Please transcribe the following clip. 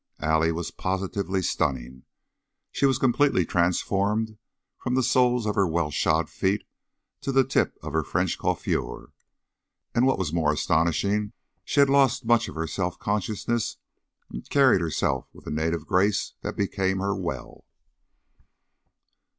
Allie was positively stunning. She was completely transformed from the soles of her well shod feet to the tip of her French coiffure, and what was more astonishing, she had lost much of her self consciousness and carried herself with a native grace that became her well.